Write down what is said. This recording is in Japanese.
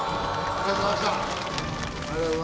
ありがとうございます。